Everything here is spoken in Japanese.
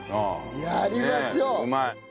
やりましょう！